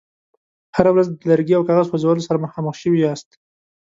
هره ورځ د لرګي او کاغذ سوځولو سره مخامخ شوي یاست.